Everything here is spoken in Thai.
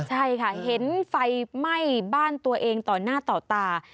ใช่ค่ะเห็นไฟไหม้บ้านตัวเองต่อหน้าต่อตา